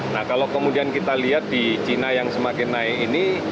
nah kalau kemudian kita lihat di cina yang semakin naik ini